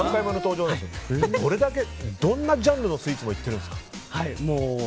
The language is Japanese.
どんなジャンルのスイーツもいっているんですか？